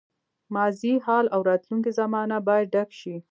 ماضي، حال او راتلونکې زمانه باید ډک شي.